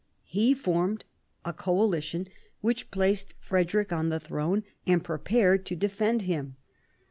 He formed a coalition which placed Frederic on the throne, and prepared to defend him.